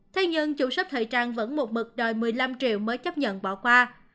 thế nhưng chủ sh thời trang vẫn một mực đòi một mươi năm triệu mới chấp nhận bỏ qua